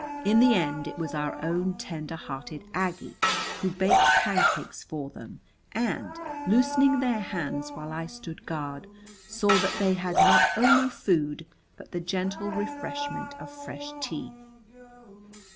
In the end it was our own tender hearted Aggie who baked pancakes for them and, loosening their hands while I stood guard, saw that they had not only food but the gentle refreshment of fresh tea.